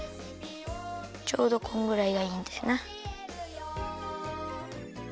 ちょうどこんぐらいがいいんだよな。